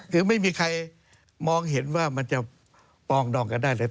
คือไม่มีใครมองเห็นว่ามันจะปองดองกันได้เลย